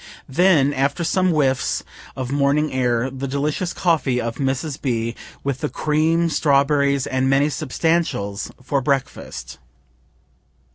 Then, after some whiffs of morning air, the delicious coffee of Mrs. B., with the cream, strawberries, and many substantials, for breakfast.